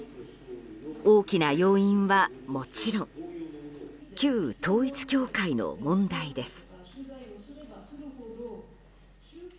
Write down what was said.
大きな要因はもちろん旧統一教会の問題です。